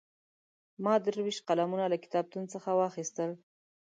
ما درې ویشت قلمونه له کتابتون څخه واخیستل.